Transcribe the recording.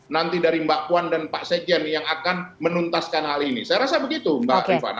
nanti dari mbak puan dan pak sekjen yang akan menuntaskan hal ini saya rasa begitu mbak rifana